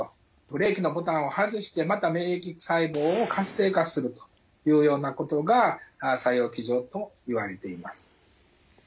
ブレーキのボタンを外してまた免疫細胞を活性化するというようなことが作用機序といわれています。